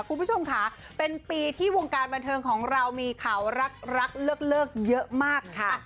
คุณผู้ชมค่ะเป็นปีที่วงการบันเทิงของเรามีข่าวรักเลิกเยอะมากค่ะ